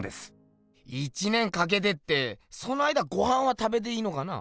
１年かけてってその間ごはんは食べていいのかな？